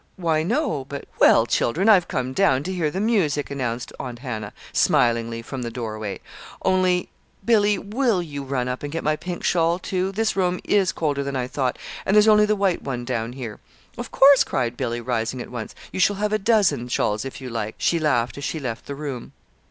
"Why, no, but " "Well, children, I've come down to hear the music," announced Aunt Hannah, smilingly, from the doorway; "only Billy, will you run up and get my pink shawl, too? This room is colder than I thought, and there's only the white one down here." "Of course," cried Billy, rising at once. "You shall have a dozen shawls, if you like," she laughed, as she left the room.